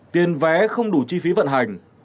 tiền vé không đủ chi phí vận hành